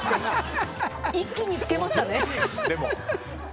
一気に老けましたね。